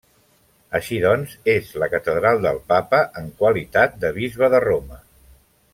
Així doncs, és la catedral del Papa en qualitat de bisbe de Roma.